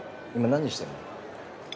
今何してんの？